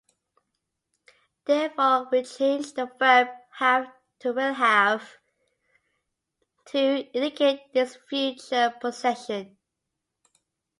Therefore, we change the verb "have" to "will have" to indicate this future possession.